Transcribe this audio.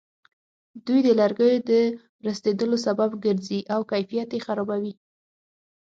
دوی د لرګیو د ورستېدلو سبب ګرځي او کیفیت یې خرابوي.